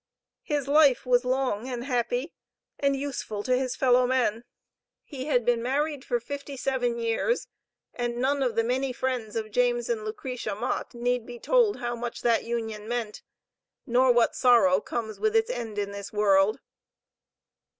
His life was long and happy, and useful to his fellow men. He had been married for fifty seven years, and none of the many friends of James and Lucretia Mott, need be told how much that union meant, nor what sorrow comes with its end in this world."